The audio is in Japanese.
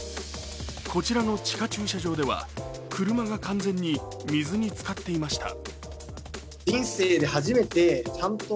こちらの地下駐車場では車が完全に水につかっていました。